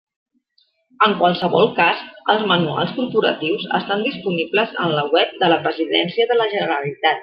En qualsevol cas, els manuals corporatius estan disponibles en la web de la Presidència de la Generalitat.